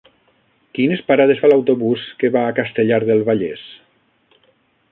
Quines parades fa l'autobús que va a Castellar del Vallès?